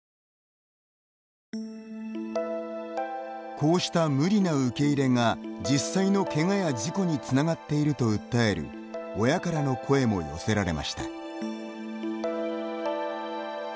こうした無理な受け入れが実際のけがや事故につながっていると訴える親からの声も寄せられました。